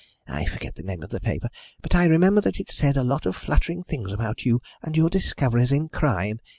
I forget the name of the paper, but I remember that it said a lot of flattering things about you and your discoveries in crime.